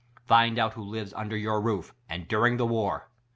Find mit who lives under your roof, and during the WAR.